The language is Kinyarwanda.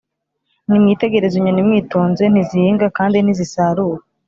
Nimwitegereze inyoni mwitonze ntizihinga kandi ntizisarura